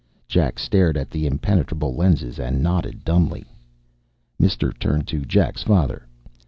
Jack stared at the impenetrable lenses and nodded dumbly. Mister turned to Jack's father.